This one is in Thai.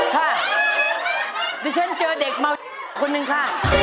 ค่ะดิฉันเจอเด็กเมาคนนึงค่ะ